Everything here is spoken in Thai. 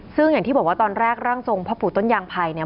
ซึ่งอย่างที่บอกว่าตอนแรกร่างทรงพ่อปู่ต้นยางไพรเนี่ย